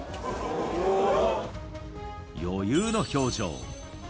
余裕の表情。